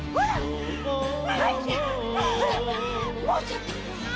もうちょっと！